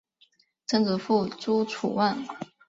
曾祖父朱楚望。